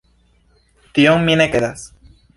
Tion mi ne kredas.